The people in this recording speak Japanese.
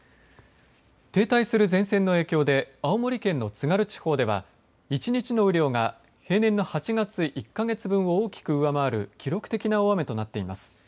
停滞する前線の影響で青森県の津軽地方では１日の雨量が平年の８月１か月分を大きく上回る記録的な大雨となっています。